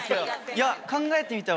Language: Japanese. いや考えてみたら。